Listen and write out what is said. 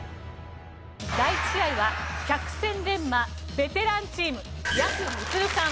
第１試合は百戦錬磨ベテランチームやくみつるさん